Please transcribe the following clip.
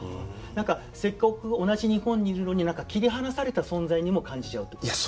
何かせっかく同じ日本にいるのに何か切り離された存在にも感じちゃうっていうことですか？